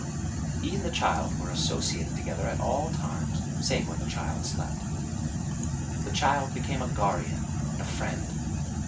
He and the child were associated together at all times save when the child slept. The child became a guardian and a friend.